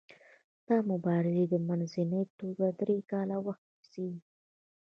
دا مبارزې په منځنۍ توګه درې کاله وخت نیسي.